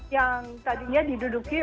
yang tadinya diduduki